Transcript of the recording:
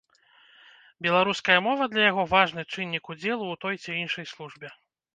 Беларуская мова для яго важны чыннік удзелу ў той ці іншай службе.